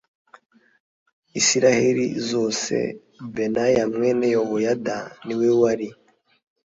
Isirayeli zose Benaya mwene Yehoyada ni we wari